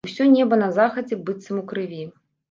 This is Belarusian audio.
Усё неба на захадзе быццам у крыві.